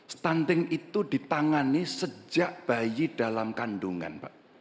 stunting itu ditangani sejak bayi dalam kandungan